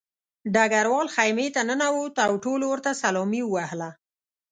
ډګروال خیمې ته ننوت او ټولو ورته سلامي ووهله